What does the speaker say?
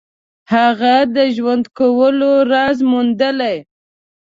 هغه د ژوند کولو راز موندلی.